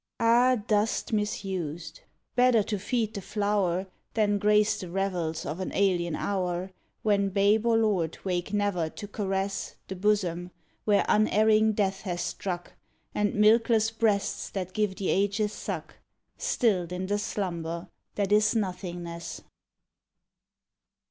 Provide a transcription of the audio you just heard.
Ah! dust misused! better to feed the flow r, Than grace the revels of an alien hour, When babe or lord wake never to caress The bosom where unerring Death hath struck And milkless breasts that give the ages suck Stilled in the slumber that is nothingness.